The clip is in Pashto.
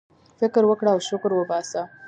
فكر وكره او شكر وباسه!